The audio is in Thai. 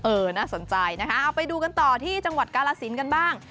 น่าสนใจนะคะเอาไปดูกันต่อที่จังหวัดกาลสินกันบ้าง